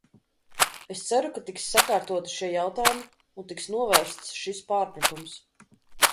Es ceru, ka tiks sakārtoti šie jautājumi un tiks novērsts šis pārpratums.